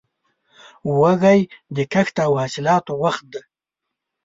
وږی د کښت او حاصلاتو وخت دی.